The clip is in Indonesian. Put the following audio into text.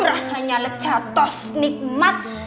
rasanya lecatos nikmat